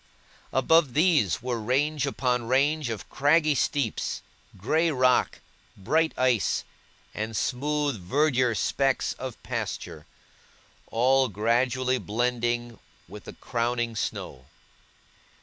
Above these, were range upon range of craggy steeps, grey rock, bright ice, and smooth verdure specks of pasture, all gradually blending with the crowning snow.